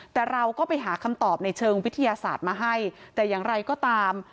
แต่เราก็ไปหาคำตอบในเชิงวิทยาศาสตร์มาให้แต่อย่างไรก็ตาม